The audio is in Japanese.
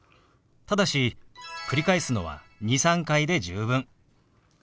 ただし繰り返すのは２３回で十分。